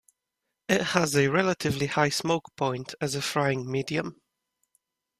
It has a relatively high smoke point as a frying medium.